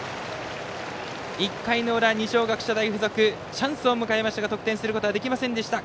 １回の裏、二松学舎大付属チャンスを迎えましたが得点することはできませんでした。